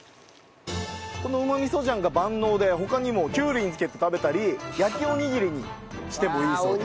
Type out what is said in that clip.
このうま味噌醤が万能で他にもきゅうりにつけて食べたり焼きおにぎりにしてもいいそうです。